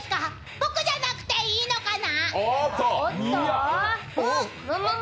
僕じゃなくていいのかな？